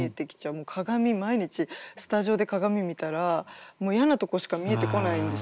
もう鏡毎日スタジオで鏡見たらもう嫌なとこしか見えてこないんですよ。